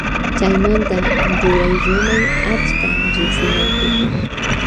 Chaymanta ruray rumay achka riksinakuy.